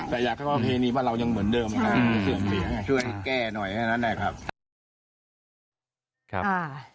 แต่อยากเข้าใจว่าเรายังเหมือนเดิมช่วยแก้หน่อย